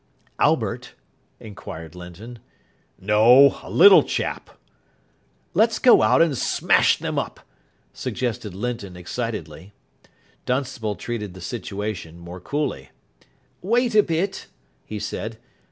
"Albert?" inquired Linton. "No. A little chap." "Let's go out, and smash them up," suggested Linton excitedly. Dunstable treated the situation more coolly. "Wait a bit," he said.